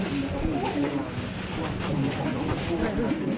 หลังจากที่สุดยอดเย็นหลังจากที่สุดยอดเย็น